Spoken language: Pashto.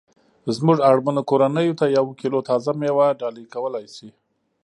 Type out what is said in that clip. زمونږ اړمنو کورنیوو ته یوه کیلو تازه میوه ډالۍ کولای شي